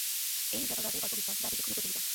এই হ্রদের গল্প বিস্তর, যার দুটি খুবই প্রচলিত।